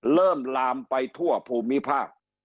ลามไปทั่วภูมิภาค